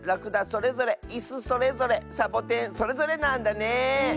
それぞれいすそれぞれサボテンそれぞれなんだね。